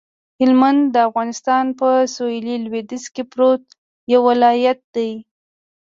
هلمند د افغانستان په سویل لویدیځ کې پروت یو ولایت دی